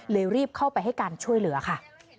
รีบเข้าไปให้การช่วยเหลือค่ะ